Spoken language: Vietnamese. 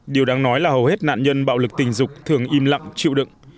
điều đáng nói là hầu hết nạn nhân bạo lực tình dục thường im lặng chịu đựng